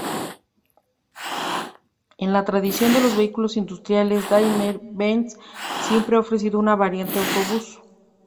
En la tradición de los vehículos industriales, Daimler-Benz siempre ha ofrecido una variante autobús.